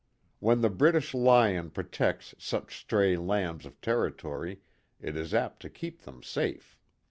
When the British Lion protects such stray lambs of territory it is apt to keep them safe.